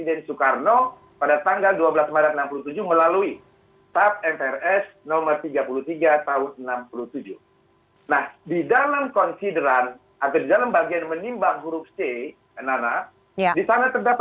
diantaranya adalah tidak pernah dihukum dengan kekuatan hukum yang bersifat tetap